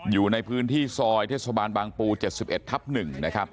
อยู่ในพื้นที่ซอยเทศบาลบางปู๗๑ทับ๑นะครับ